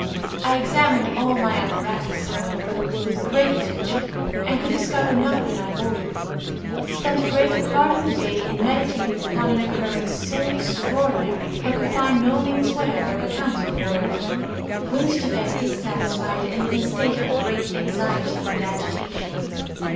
I examined all my apparatus, however, with great attention, and could discover nothing out of order. Spent a great part of the day in meditating upon an occurrence so extraordinary, but could find no means whatever of accounting for it. Went to bed dissatisfied, and in a state of great anxiety and agitation.